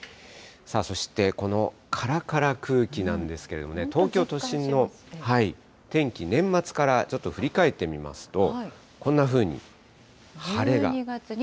そして、このからから空気なんですけれどもね、東京都心の天気、年末からちょっと振り返ってみますと、こんなふうに晴れが。